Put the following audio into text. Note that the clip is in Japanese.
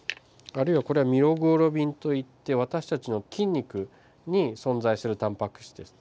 あるいはこれはミオグロビンといって私たちの筋肉に存在するタンパク質です。